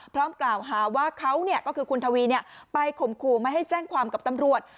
พร้อมกล่าวหาว่าเขาก็คือคุณทวีไปข่มขู่ไม่ให้แจ้งความกับตำรวจ